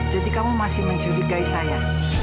jadi kamu masih mencurigai saya